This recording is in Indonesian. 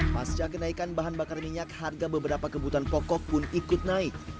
pasca kenaikan bahan bakar minyak harga beberapa kebutuhan pokok pun ikut naik